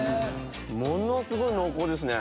ものすごい濃厚ですね。